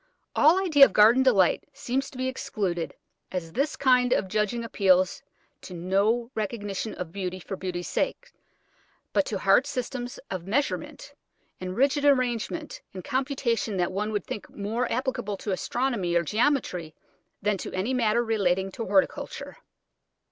All idea of garden delight seems to be excluded, as this kind of judging appeals to no recognition of beauty for beauty's sake, but to hard systems of measurement and rigid arrangement and computation that one would think more applicable to astronomy or geometry than to any matter relating to horticulture.